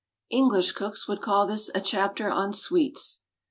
ENGLISH cooks would call this "A Chapter on Sweets."